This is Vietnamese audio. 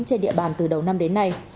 trên địa bàn từ đầu năm đến nay